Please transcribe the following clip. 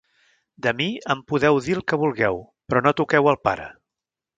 De mi, en podeu dir el que vulgueu, però no toqueu el pare!